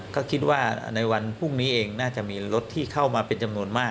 ก็คิดว่าในวันพรุ่งนี้เองน่าจะมีรถที่เข้ามาเป็นจำนวนมาก